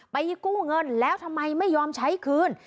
กู้เงินแล้วทำไมไม่ยอมใช้คืน